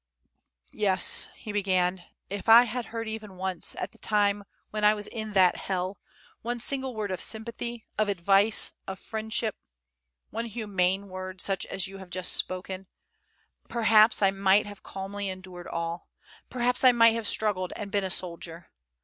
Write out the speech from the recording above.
"Yes," he began, "if I had heard even once, at the time when I was in that hell, one single word of sympathy, of advice, of friendship one humane word such as you have just spoken, perhaps I might have calmly endured all; perhaps I might have struggled, and been a soldier.